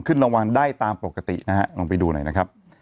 ขึ้นรางวัลได้ตามปกตินะฮะลองไปดูหน่อยนะครับ